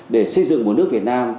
để xây dựng một nước việt nam